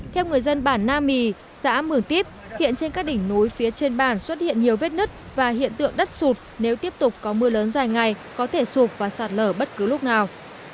theo người dân bản nam my xã mường tiếp hiện trên các đỉnh núi phía trên bản xuất hiện nhiều vết nứt và hiện tượng đất sụt nếu tiếp tục có mưa lớn dài ngày có thể sụp và sạt lở bất cứ lúc nào